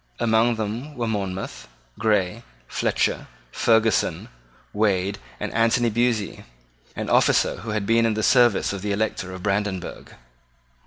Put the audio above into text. Among them were Monmouth, Grey, Fletcher, Ferguson, Wade, and Anthony Buyse, an officer who had been in the service of the Elector of Brandenburg.